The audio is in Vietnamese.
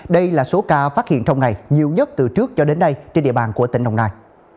đây là số ca phát hiện trong ngày nhiều nhất từ trước cho đến nay trên địa bàn của tỉnh đồng nai